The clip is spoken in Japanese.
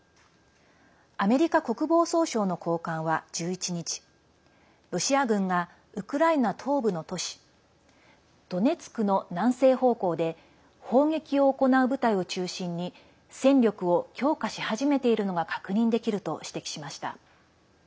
アメリカ国防総省の高官は１１日ロシア軍がウクライナ東部の都市ドネツクの南西方向で砲撃を行う部隊を中心に戦力を強化し始めているのが確認できると指摘しました。